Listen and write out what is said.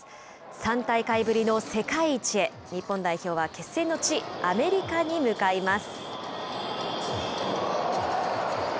３大会ぶりの世界一へ、日本代表は決戦の地、アメリカに向かいます。